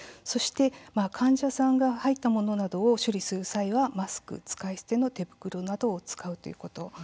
そして患者さんが吐いたものなどを処理する際にはマスク使い捨ての手袋などを使うということ。